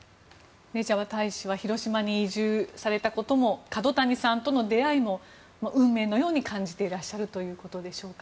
レジャバ大使は広島に移住されたことも角谷さんとの出会いも運命のように感じていらっしゃるということでしょうか。